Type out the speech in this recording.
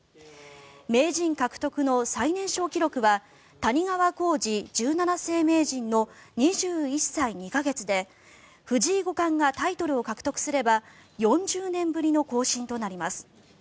名人獲得の最年少記録は谷川浩司十七世名人の２１歳２か月で藤井五冠がタイトルを獲得すれば４０年ぶりの更新となります。